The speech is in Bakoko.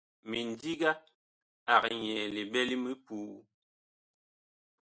Mindiga ag nyɛɛ liɓɛ li mipuu.